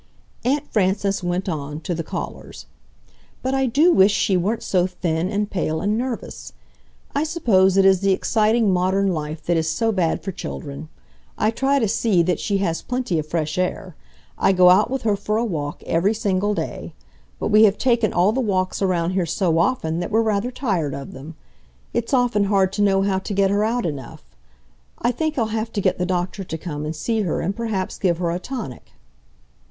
Aunt Frances went on, to the callers: "But I do wish she weren't so thin and pale and nervous. I suppose it is the exciting modern life that is so bad for children. I try to see that she has plenty of fresh air. I go out with her for a walk every single day. But we have taken all the walks around here so often that we're rather tired of them. It's often hard to know how to get her out enough. I think I'll have to get the doctor to come and see her and perhaps give her a tonic."